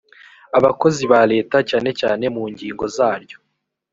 abakozi ba leta cyane cyane mu ngingo zaryo